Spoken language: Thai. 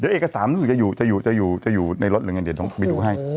เดี๋ยวเอกสามจะอยู่ในรถหรือไงต้องไปดูให้